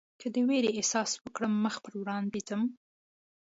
که د وېرې احساس وکړم مخ پر وړاندې ځم.